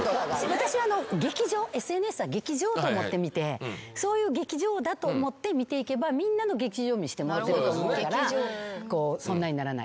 私はＳＮＳは劇場と思って見てそういう劇場だと思って見ていけばみんなの劇場見してもろうてると思うからそんなんにならない。